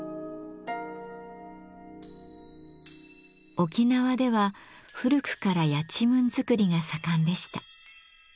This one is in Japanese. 沖縄では古くからやちむん作りが盛んでした。